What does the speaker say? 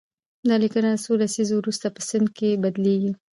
دا لیکنه د څو لسیزو وروسته په سند بدليږي.